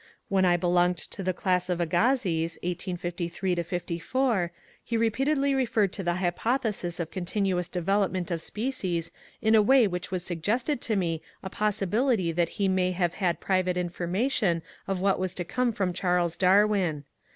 When I belonged to the class of Agassiz (1853 64), he repeatedly referred to the hypothesis of continuous development of species in a way which has suggested to me a possibility that he may have had some private information of what was to come from Charles Darwin.